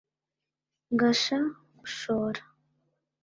Ngasha gushora